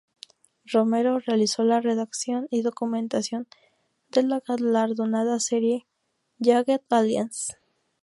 Romero realizó la redacción y documentación de la galardonada serie Jagged Alliance.